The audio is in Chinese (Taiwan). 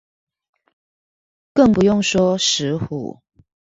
更不用說石虎